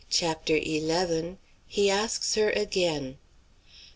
CHAPTER XI. HE ASKS HER AGAIN.